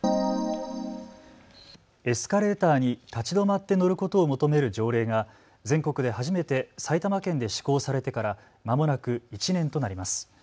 エスカレーターに立ち止まって乗ることを求める条例が全国で初めて埼玉県で施行されてからまもなく１年となります。